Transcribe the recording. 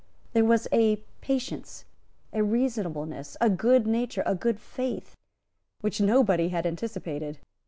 There was a patience, a reasonableness, a good nature, a good faith, which nobody had anticipated.